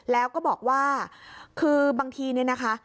แล้วก็บอกว่าคือบางทีเนี่ยนะคะ